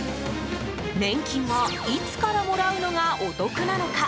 年金はいつからもらうのがお得なのか？